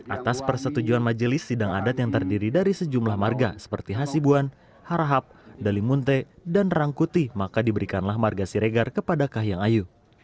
atas persetujuan majelis sidang adat yang terdiri dari sejumlah marga seperti hasibuan harahap dalimunte dan rangkuti maka diberikanlah marga siregar kepada kahiyang ayu